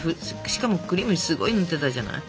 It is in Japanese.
しかもクリームすごいぬってたじゃない。